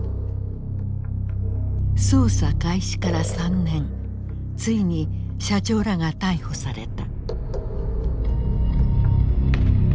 捜査開始から３年ついに社長らが逮捕された。